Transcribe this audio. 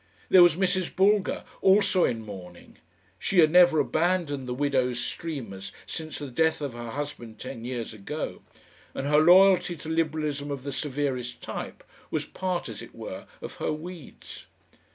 There was Mrs. Bulger, also in mourning; she had never abandoned the widow's streamers since the death of her husband ten years ago, and her loyalty to Liberalism of the severest type was part as it were of her weeds.